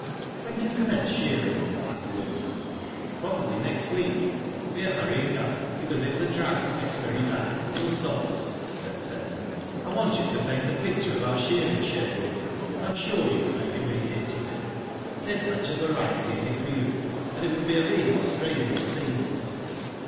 '* When do you commence shearing ?" asked Wyndham. ''Probably next week. We are hurrying up, because if the drought gets very bad it will stop us," said Ted. '* I want you to paint a picture of our shearing shed, Wyn, I am sure you would make a big hit with it. There is such a variety in it for you, and it would be a real Australian scene.